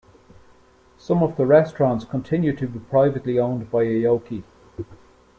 Some of the restaurants continued to be privately owned by Aoki.